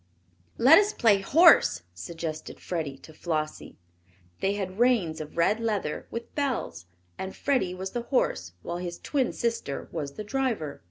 "Let us play horse," suggested Freddie to Flossie. They had reins of red leather, with bells, and Freddie was the horse while his twin sister was the driver.